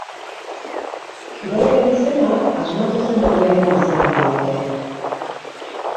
Kirol honen izena, asmatu zen herriaren izenetik dator.